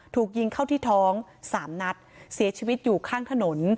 ถูกยิงเข้าที่ท้องสามนัดเสียชีวิตอยู่ข้างถนน